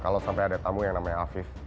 kalau sampai ada tamu yang namanya afif